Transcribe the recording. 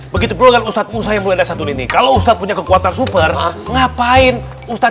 begitu beluga ustadz usahanya melihat satu ini kalau ustadz punya kekuatan super ngapain ustadz